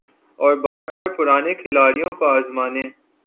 اور بار بار پرانے کھلاڑیوں کو آزمانے